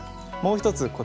もう一つ